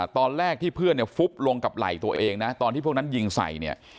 ตอนแรกที่เพื่อนเนี่ยฟุบลงกับไหล่ตัวเองนะตอนที่พวกนั้นยิงใส่เนี่ย